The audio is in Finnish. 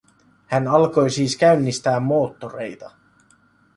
Hän alkoi siis käynnistää moottoreita.